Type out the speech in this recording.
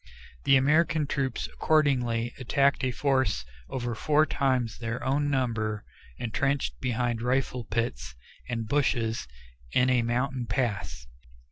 The American troops accordingly attacked a force over four times their own number intrenched behind rifle pits and bushes in a mountain pass.